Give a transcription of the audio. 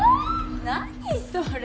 何それ？